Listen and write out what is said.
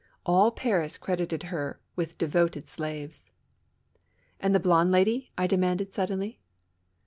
All Paris credited her with devoted slaves. " And the blonde lady? " I demanded, suddenly.